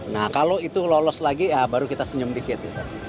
nah kalau itu lolos lagi ya baru kita senyum dikit